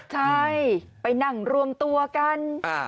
ใช่ไปนั่งรวมตัวกัน